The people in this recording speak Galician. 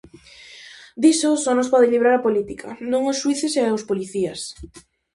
Diso só nos pode librar a política, non os xuíces e os policías.